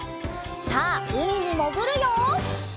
さあうみにもぐるよ！